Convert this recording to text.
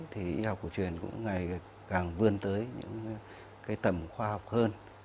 thì y học cổ truyền cũng ngày càng vươn tới những cái tầm khoa học hơn